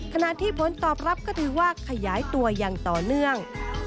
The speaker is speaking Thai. ขณะที่ผลตอบรับก็ถือว่าขยายตัวอย่างต่อเนื่อง